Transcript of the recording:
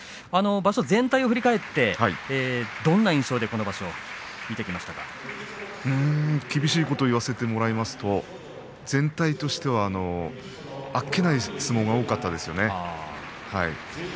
場所全体を振り返ってどんな印象で厳しいことを言わせてもらいますと全体としてはあっけない相撲が多かったですよね。